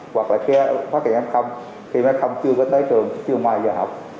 hoặc là khi phát hiện f khi mà f chưa có tới trường chưa ngoài giờ học